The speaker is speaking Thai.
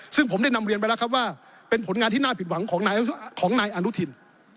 ซึ่งผมได้นำเรียนไปแล้วครับว่าเป็นผลงานที่น่าผิดหวังของนายอนุทิน